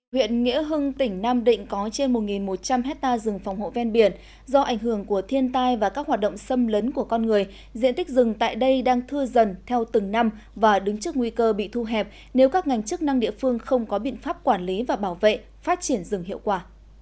huyện nghĩa hưng tỉnh nam định có trên một một trăm linh hectare rừng phòng hộ ven biển do ảnh hưởng của thiên tai và các hoạt động xâm lấn của con người diện tích rừng tại đây đang thư dần theo từng năm và đứng trước nguy cơ bị thu hẹp nếu các ngành chức năng địa phương không có biện pháp quản lý và bảo vệ phát triển rừng hiệu quả